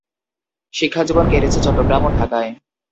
শিক্ষাজীবন কেটেছে চট্টগ্রাম ও ঢাকায়।